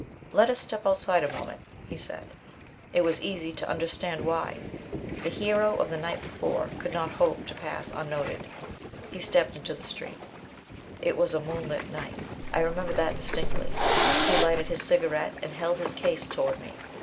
"Let us step outside a moment," he said. It was easy to understand why. The hero of the night before could not hope to pass unnoted. He stepped into the street. It was a moonlit night. I remember that distinctly. He lighted his cigarette, and held his case toward me.